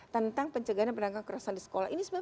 tentang pencegahan penangkan kekerasan di sekolah ini sebenarnya